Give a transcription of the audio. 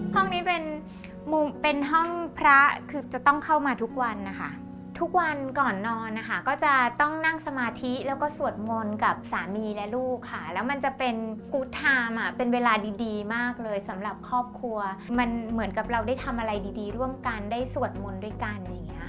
ห้องนี้เป็นมุมเป็นห้องพระคือจะต้องเข้ามาทุกวันนะคะทุกวันก่อนนอนนะคะก็จะต้องนั่งสมาธิแล้วก็สวดมนต์กับสามีและลูกค่ะแล้วมันจะเป็นกู๊ดไทม์อ่ะเป็นเวลาดีดีมากเลยสำหรับครอบครัวมันเหมือนกับเราได้ทำอะไรดีร่วมกันได้สวดมนต์ด้วยกันอะไรอย่างเงี้ย